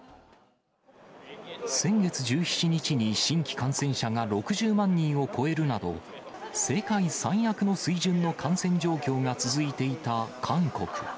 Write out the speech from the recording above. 先月１７日に新規感染者が６０万人を超えるなど、世界最悪の水準の感染状況が続いていた韓国。